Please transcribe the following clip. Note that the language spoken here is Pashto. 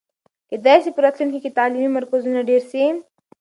کېدای سي په راتلونکي کې تعلیمي مرکزونه ډېر سي.